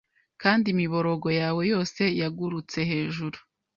Kandi imiborogo yawe yose yagurutse hejuru